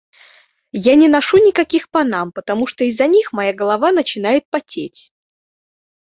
Я не ношу никаких панам, потому что из-за них моя голова начинает потеть.